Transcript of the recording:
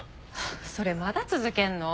それまだ続けんの？